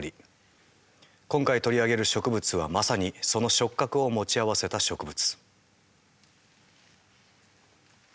今回取り上げる植物はまさにその触覚を持ち合わせた植物。